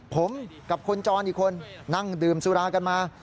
ผมกับคนจรอีกคนนั่งดื่มสุรากันมา